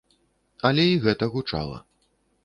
Але і гэта гучала.